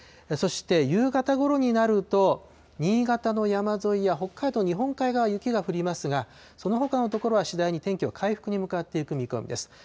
そして、夕方ごろになると、新潟の山沿いや北海道日本海側は雪が降りますが、そのほかの所は次第に天気は回復に向かっていく見込みです。